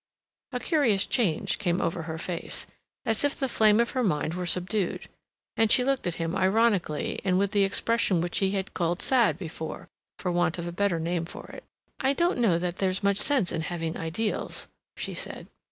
A curious change came over her face, as if the flame of her mind were subdued; and she looked at him ironically and with the expression which he had called sad before, for want of a better name for it. "I don't know that there's much sense in having ideals," she said.